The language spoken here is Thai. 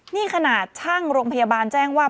นี่ขนาดช่างโรงพยาบาลแจ้งว่า